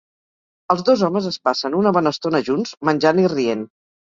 Els dos homes es passen una bona estona junts, menjant i rient.